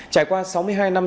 trải qua sáu mươi hai năm